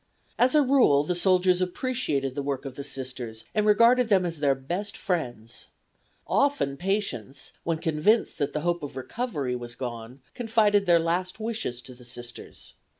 As a rule the soldiers appreciated the work of the Sisters, and regarded them as their best friends. Often patients, when convinced that the hope of recovery was gone, confided their last wishes to the Sisters.